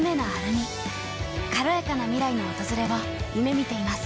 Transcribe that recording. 軽やかな未来の訪れを夢みています。